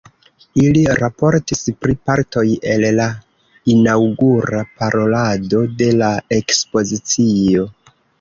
Ili raportis pri partoj el la inaŭgura parolado de la ekspozicio.